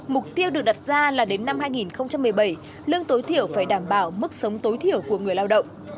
mục tiêu được đặt ra là đến năm hai nghìn một mươi bảy lương tối thiểu phải đảm bảo mức sống tối thiểu của người lao động